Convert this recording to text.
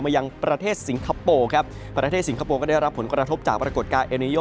ยังประเทศสิงคโปร์ครับประเทศสิงคโปร์ก็ได้รับผลกระทบจากปรากฏการณ์เอเนโย